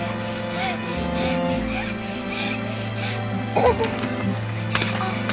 あっ！